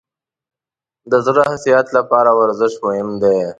د زړه ښه صحت لپاره ورزش مهم دی.